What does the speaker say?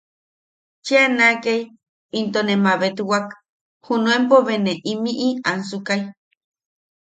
Cheaneakai intone mabetwak junuenpo be ne imiʼi ansukai.